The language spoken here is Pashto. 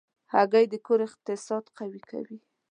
هګۍ د کور اقتصاد قوي کوي.